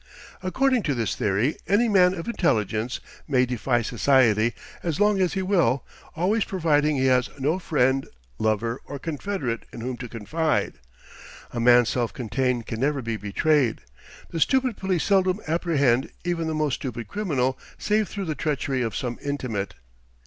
According to this theory, any man of intelligence may defy society as long as he will, always providing he has no friend, lover, or confederate in whom to confide. A man self contained can never be betrayed; the stupid police seldom apprehend even the most stupid criminal, save through the treachery of some intimate.